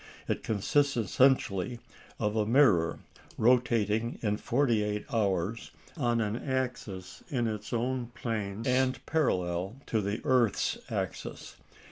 It consists essentially of a mirror rotating in forty eight hours on an axis in its own plane, and parallel to the earth's axis.